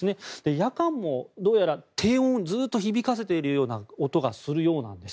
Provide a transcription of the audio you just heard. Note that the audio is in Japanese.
夜間もどうやら低音をずっと響かせているような音がするということなんです。